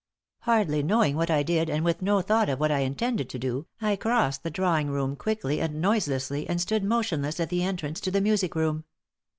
Hardly knowing what I did and with no thought of what I intended to do, I crossed the drawing room quickly and noiselessly, and stood motionless at the entrance to the music room.